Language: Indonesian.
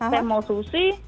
saya mau susu